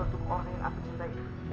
untuk orang yang aku cintai